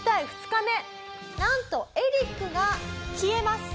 ２日目なんとエリックが消えます。